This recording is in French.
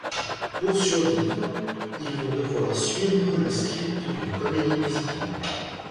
Pour survivre, ils vont devoir suivre le script d'une comédie musicale.